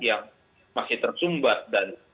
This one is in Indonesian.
yang masih tersumbat dan